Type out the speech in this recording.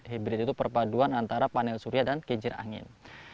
hibrid itu perpaduan antara panel surya dan kejir angin